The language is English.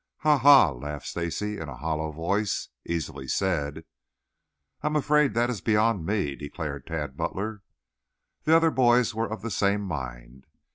"Ha, ha!" laughed Stacy in a hollow voice. "Easily said." "I am afraid that is beyond me," declared Tad Butler. The other boys were of the same mind.